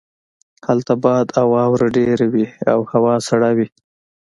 هلته باد او واوره ډیره وی او هوا سړه وي